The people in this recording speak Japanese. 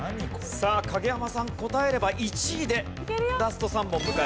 さあ影山さん答えれば１位でラスト３問を迎えます。